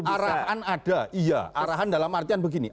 arahannya ada iya arahannya dalam artian begini